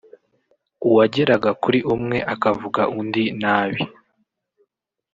uwageraga kuri umwe akavuga undi nabi